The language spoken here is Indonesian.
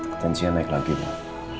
ketensinya naik lagi pak